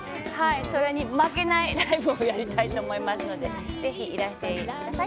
それに負けないライブをやりたいと思いますのでぜひ、いらしてください。